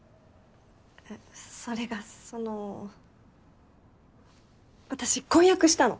それがその私婚約したの。